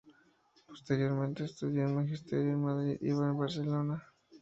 Posteriormente estudió Magisterio en Madrid y en Barcelona.